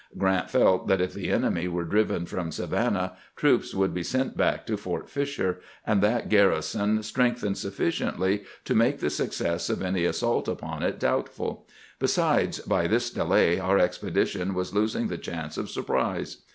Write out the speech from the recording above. Grant felt that if the enemy were driven from Savannah, troops would be sent back to Fort Fisher, and that garrison strengthened suflSciently to make the success of any assault upon it doubtful ; besides, by this delay our expedition was losing the chance of surprise.